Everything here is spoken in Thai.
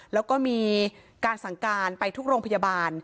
แล้วก็มีการสั่งการไปทุกโรงพยาบาล